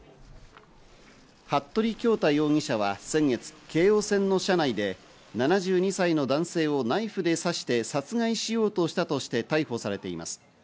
服部恭太容疑者は先月、京王線の車内で７２歳の男性をナイフで刺して殺害しようとしたとして逮捕されています。